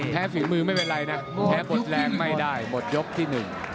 แพ้ฝีมือไม่เป็นไรนะแพ้บทแรงไม่ได้บทยกที่๑